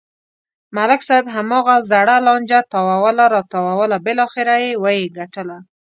ملک صاحب هماغه زړه لانجه تاووله راتاووله بلاخره و یې گټله.